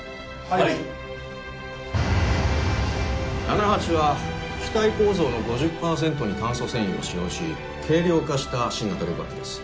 ナナハチは機体構造の５０パーセントに炭素繊維を使用し軽量化した新型旅客機です。